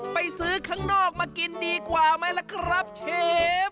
ไปซื้อข้างนอกมากินดีกว่าไหมล่ะครับเชฟ